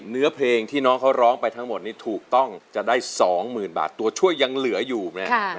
ภูมิใจภูมิใจภูมิใจ